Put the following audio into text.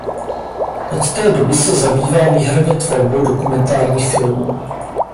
Od té doby se zabývá výhradně tvorbou dokumentárních filmů.